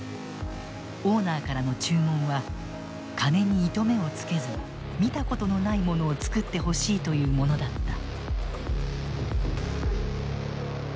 オーナーからの注文は金に糸目をつけず見たことのないものを作ってほしいというものだった。